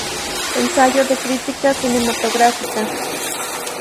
Ensayo de crítica cinematográfica